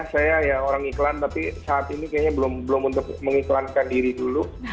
saya ya orang iklan tapi saat ini kayaknya belum untuk mengiklankan diri dulu